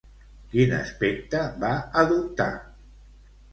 Quin aspecte va adoptar?